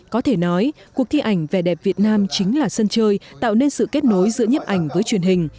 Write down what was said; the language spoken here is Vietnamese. có thể nói cuộc thi ảnh vẻ đẹp việt nam chính là sân chơi tạo nên sự kết nối giữa nhấp ảnh với truyền hình